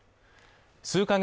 数か月